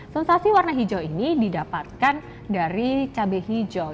sensasi warna hijau ini didapatkan dari cabai hijau